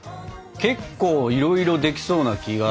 結構いろいろできそうな気が。